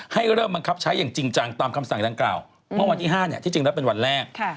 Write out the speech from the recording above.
เริ่มบังคับใช้อย่างจริงจังตามคำสั่งดังกล่าวเมื่อวันที่๕ที่จริงแล้วเป็นวันแรก